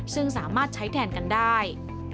ซึ่งสามารถใช้แทนกันได้